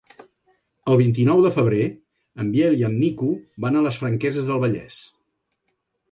El vint-i-nou de febrer en Biel i en Nico van a les Franqueses del Vallès.